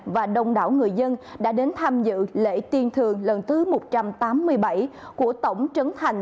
và đông đảo người dân đã đến tham dự lễ tiên thường lần thứ một trăm tám mươi bảy của tổng trấn thành